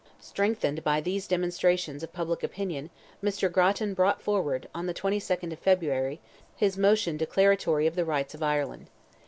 Strengthened by these demonstrations of public opinion, Mr. Grattan brought forward, on the 22nd of February, his motion declaratory of the rights of Ireland.